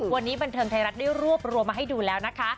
วันนี้บันเทิงไทยรัฐได้รวบรวมมาให้ดูแล้วนะคะ